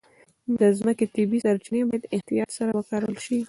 د مځکې طبیعي سرچینې باید احتیاط سره وکارول شي.